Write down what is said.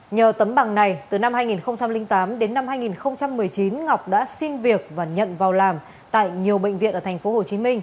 nhờ tấm bằng này từ năm hai nghìn tám đến năm hai nghìn một mươi chín ngọc đã xin việc và nhận vào làm tại nhiều bệnh viện ở tp hcm